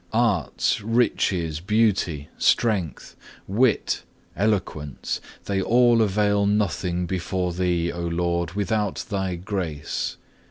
Arts, riches, beauty, strength, wit, eloquence, they all avail nothing before Thee, O Lord, without Thy grace.